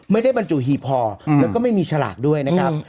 ไม่ได้บรรจุหีบพอแล้วก็ไม่มีฉลากด้วยนะครับ